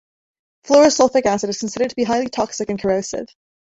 Fluorosulfuric acid is considered to be highly toxic and corrosive.